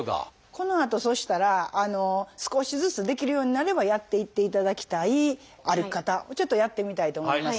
このあとそしたら少しずつできるようになればやっていっていただきたい歩き方をちょっとやってみたいと思います。